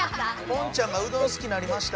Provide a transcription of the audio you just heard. ポンちゃんがうどんすきになりました。